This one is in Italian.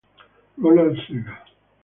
Ronald Sega